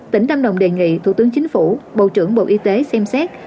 tỉnh lâm đồng đề nghị thủ tướng chính phủ bộ trưởng bộ y tế xem xét